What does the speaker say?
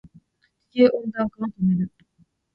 地球温暖化を止める